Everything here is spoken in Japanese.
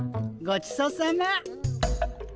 ごちそうさま。